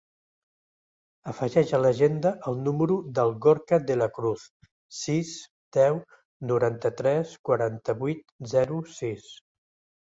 Afegeix a l'agenda el número del Gorka De La Cruz: sis, deu, noranta-tres, quaranta-vuit, zero, sis.